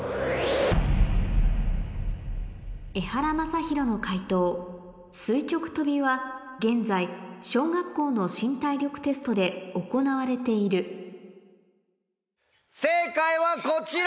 エハラマサヒロの解答垂直とびは現在小学校の新体力テストで行われている正解はこちら！